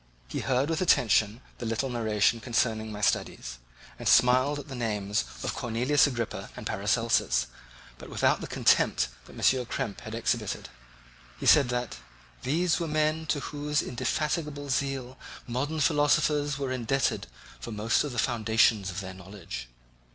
He heard with attention the little narration concerning my studies and smiled at the names of Cornelius Agrippa and Paracelsus, but without the contempt that M. Krempe had exhibited. He said that "These were men to whose indefatigable zeal modern philosophers were indebted for most of the foundations of their knowledge.